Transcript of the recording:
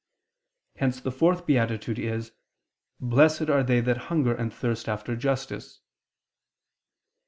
Hence the fourth beatitude is: "Blessed are they that hunger and thirst after justice."